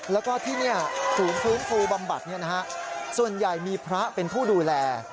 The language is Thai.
แล้วก็ที่นี่ฝื้นฟูบำบัดนี่นะฮะส่วนใหญ่มีพระเป็นผู้ดูแล